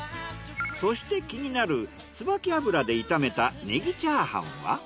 そして気になる椿油で炒めたネギチャーハンは？